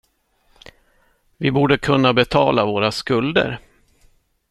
Vi borde kunna betala våra skulder.